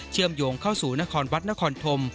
มโยงเข้าสู่นครวัดนครธม